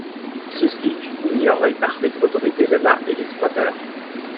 Ceci fut ignoré par les autorités de la et les squatters.